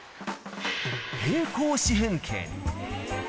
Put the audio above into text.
平行四辺形。